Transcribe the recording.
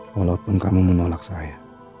walaupun kamu menolak saya